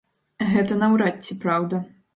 Гэта наўрад ці праўда.